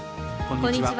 こんにちは。